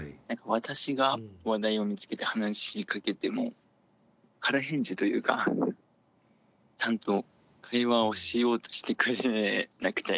私が話題を見つけて話しかけても空返事というかちゃんと会話をしようとしてくれなくて。